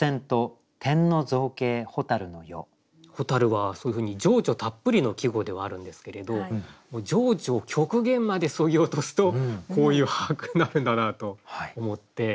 蛍はそういうふうに情緒たっぷりの季語ではあるんですけれど情緒を極限までそぎ落とすとこういう俳句になるんだなと思って。